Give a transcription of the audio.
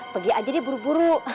pergi aja dia buru buru